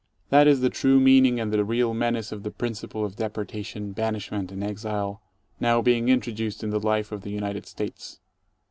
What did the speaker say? That is the true meaning and the real menace of the principle of deportation, banishment, and exile, now being introduced in the life of the United States.